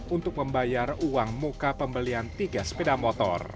untuk membayar uang muka pembelian tiga sepeda motor